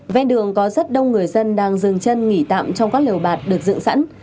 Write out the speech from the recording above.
vé đường có rất đông người dân đang dừng chân nghỉ tạm trong các lều bạc được dựng sẵn